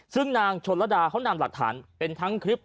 ซึ่งนางชนระดาเขานำหลักฐานเป็นทั้งคลิป